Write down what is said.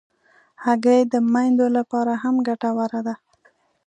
هګۍ د میندو لپاره هم ګټوره ده.